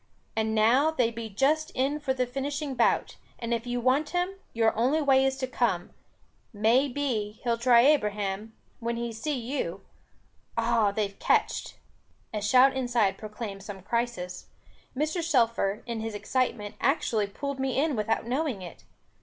And now they be just in for the finishing bout, and if you want him, your only way is to come. May be, he'll try Abraham, when he see you. Ah they've catched." A shout inside proclaimed some crisis; Mr. Shelfer, in his excitement, actually pulled me in without knowing it.